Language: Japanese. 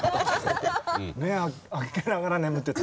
目ぇ開けながら眠ってた？